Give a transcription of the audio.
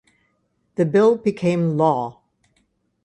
The bill became law.